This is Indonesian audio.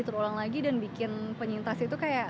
terulang lagi dan bikin penyintas itu kayak